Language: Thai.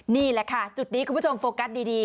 นี่แหละค่ะจุดนี้คุณผู้ชมโฟกัสดี